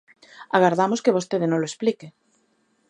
Agardamos que vostede nolo explique.